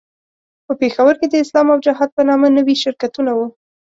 په پېښور کې د اسلام او جهاد په نامه نوي شرکتونه وو.